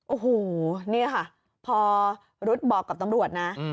โอ้โหนี่ค่ะพอรุ๊ดบอกกับตำรวจนะ